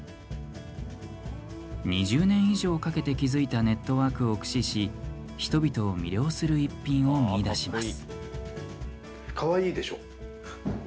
２０年以上かけて築いたネットワークを駆使し、人々を魅了する逸品を見いだします。